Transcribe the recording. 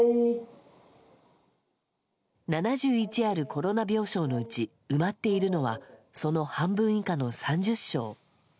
７１あるコロナ病床のうち埋まっているのはその半分以下の３０床。